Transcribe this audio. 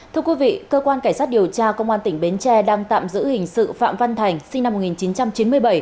thưa quý vị cơ quan cảnh sát điều tra công an tỉnh bến tre đang tạm giữ hình sự phạm văn thành sinh năm một nghìn chín trăm chín mươi bảy